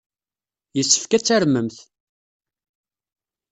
Yessefk ad tarmemt!